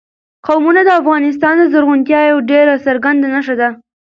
قومونه د افغانستان د زرغونتیا یوه ډېره څرګنده نښه ده.